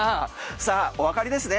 さあ、おわかりですね。